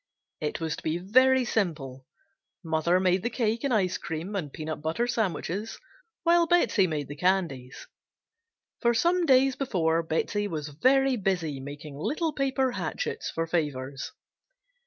It was to be very simple; mother made the cake and ice cream and peanut butter sandwiches, while Betsey made the candies. For some days before, Betsey was very busy making little paper hatchets for favors.